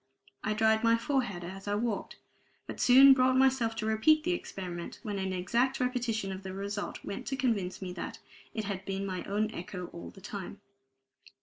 I dried my forehead as I walked, but soon brought myself to repeat the experiment when an exact repetition of the result went to convince me that it had been my own echo all the time.